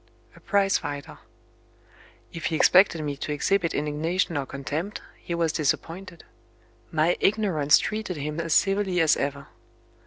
"A prize fighter." If he expected me to exhibit indignation or contempt, he was disappointed. My ignorance treated him as civilly as ever.